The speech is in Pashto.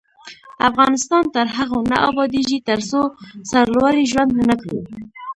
افغانستان تر هغو نه ابادیږي، ترڅو سرلوړي ژوند ونه کړو.